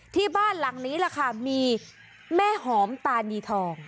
ที่บ้านหลังนี้ล่ะค่ะมีแม่หอมตานีทอง